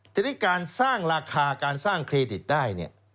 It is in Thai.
ทีนี้การสร้างราคาการสร้างเครดิตได้เนี่ย